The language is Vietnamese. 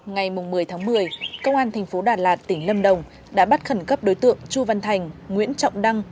ngày một mươi tháng một mươi công an thành phố đà lạt tỉnh lâm đồng đã bắt khẩn cấp đối tượng chu văn thành nguyễn trọng đăng